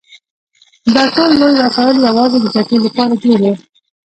دا ټول لوی وسایل یوازې د جګړې لپاره جوړ وو